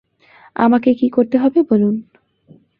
আমাকে কী করতে হবে বলুন।